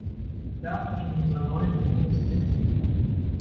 Der Abwasch in unserer neuen Wohnung ist winzig.